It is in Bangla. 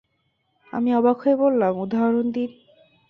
আমি অবাক হয়ে বললাম, উদাহরণ দিন।